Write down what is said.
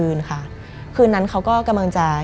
มันกลายเป็นรูปของคนที่กำลังขโมยคิ้วแล้วก็ร้องไห้อยู่